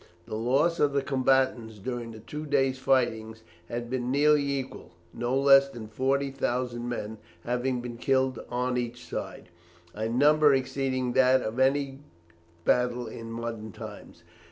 The loss of the combatants during the two days' fighting had been nearly equal, no less than 40,000 men having been killed on each side, a number exceeding that of any other battle in modern times.